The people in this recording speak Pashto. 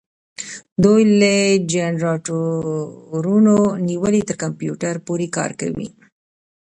دوی له جنراتورونو نیولې تر کمپیوټر پورې کار کوي.